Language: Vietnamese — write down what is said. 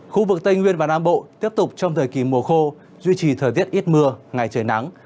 khu vực tây nguyên và nam bộ tiếp tục trong thời kỳ mùa khô duy trì thời tiết ít mưa ngày trời nắng